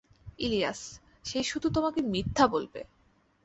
ইলিয়াস, সে শুধু তোমাকে মিথ্যা বলবে!